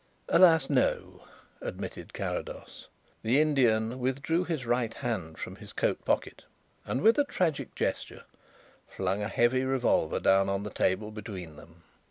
"Alas, no," admitted Carrados. The Indian withdrew his right hand from his coat pocket and with a tragic gesture flung a heavy revolver down on the table between them.